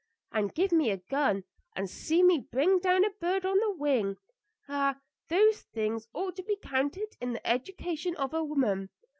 And give me a gun and see me bring down a bird on the wing. Ah! those things ought to be counted in the education of a woman.